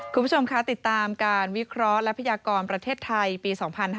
คุณผู้ชมคะติดตามการวิเคราะห์และพยากรประเทศไทยปี๒๕๕๙